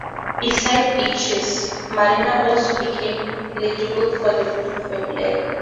Besides beaches marinas also became eligible for the Blue Flag.